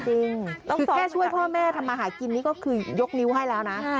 แค่ช่วยพ่อแม่ทำมาหากินนี่ก็คือยกนิ้วให้แล้วนะ